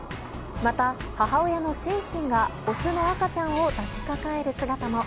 また母親のシンシンがオスの赤ちゃんを抱きかかえる姿も。